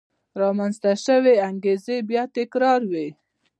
رامنځته شوې انګېزې بیا تکرار وې.